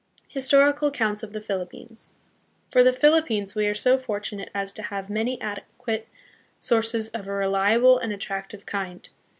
Historical Accounts of the Philippines. For the Philip pines we are so fortunate as to have many adequate sources of a reliable and attractive kind.